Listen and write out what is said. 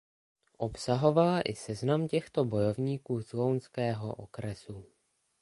Obsahovala i seznam těchto bojovníků z lounského okresu.